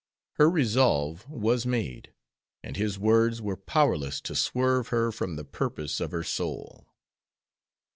Her resolve was made, and his words were powerless to swerve her from the purpose of her soul.